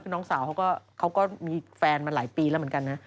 คือน้องสาวเขาก็มีแฟนมาหลายปีแล้วเหมือนกันนะ